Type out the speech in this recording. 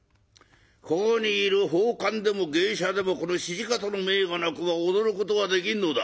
ここにいる幇間でも芸者でもこの土方の命がなくば踊ることができんのだ。